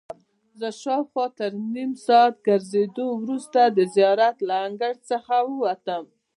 زه شاوخوا تر نیم ساعت ګرځېدو وروسته د زیارت له انګړ څخه ووتم.